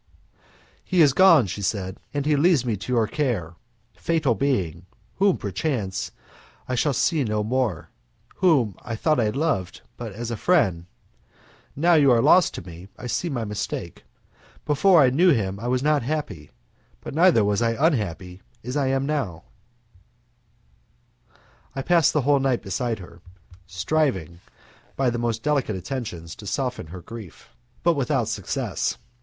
"He is gone," she said, "and he leaves me to your care. Fatal being, whom perchance I shall see no more, whom I thought I loved but as a friend, now you are lost to me I see my mistake. Before I knew him I was not happy, but neither was I unhappy as I now am." I passed the whole night beside her, striving by the most delicate attentions to soften her grief, but without success.